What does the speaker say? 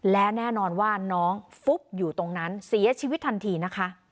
และแน่นอนว่าน้องฟุบอยู่ตรงนั้นเสียชีวิตทันทีนะคะ